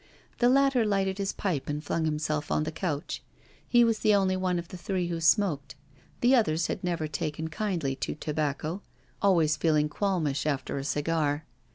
The latter lighted his pipe, and flung himself on the couch. He was the only one of the three who smoked; the others had never taken kindly to tobacco, always feeling qualmish after a cigar.